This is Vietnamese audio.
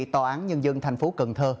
tòa án nhân dân thành phố cần thơ